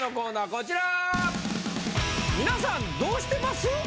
こちら。